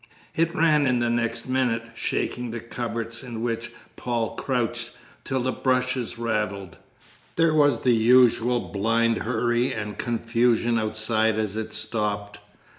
It ran in the next minute, shaking the cupboard in which Paul crouched, till the brushes rattled. There was the usual blind hurry and confusion outside as it stopped.